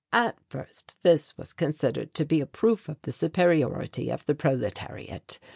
"At first this was considered to be a proof of the superiority of the proletariat.